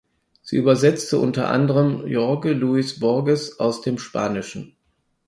Sie übersetzte unter anderem Jorge Luis Borges aus dem Spanischen.